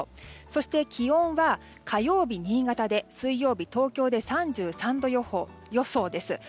そして気温は火曜日、新潟で水曜日、東京で３３度予想です。